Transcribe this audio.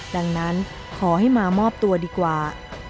ดังนั้นขอให้มามอบตัวดีกว่า